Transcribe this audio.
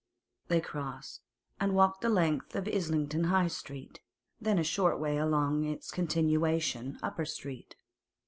They crossed, and walked the length of Islington High Street, then a short way along its continuation, Upper Street.